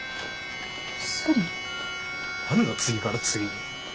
何だ次から次に。